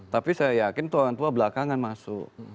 tapi saya yakin itu orang tua belakangan masuk